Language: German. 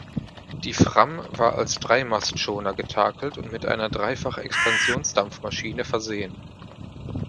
Die "Fram" war als Dreimastschoner getakelt und mit einer Dreifach-Expansionsdampfmaschine versehen.